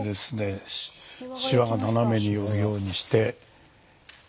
シワが斜めに寄るようにして。